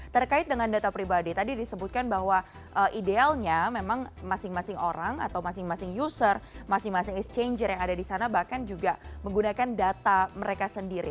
terkait dengan data pribadi tadi disebutkan bahwa idealnya memang masing masing orang atau masing masing user masing masing exchanger yang ada di sana bahkan juga menggunakan data mereka sendiri